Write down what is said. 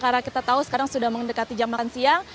karena kita tahu sekarang sudah mendekati jam makan siang